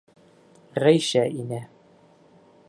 Ғәйшә инә.